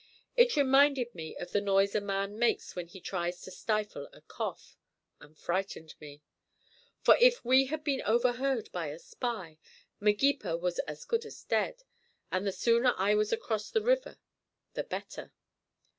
It reminded me of the noise a man makes when he tries to stifle a cough, and frightened me. For if we had been overheard by a spy, Magepa was as good as dead, and the sooner I was across the river the better.